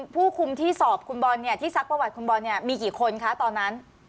ผู้คุมที่สอบคุณบอลที่ซักประวัติคุณบอลมีกี่คนคะตอนนั้น